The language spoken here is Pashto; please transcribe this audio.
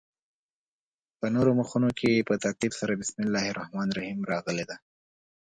په نورو مخونو کې په ترتیب سره بسم الله الرحمن الرحیم راغلې ده.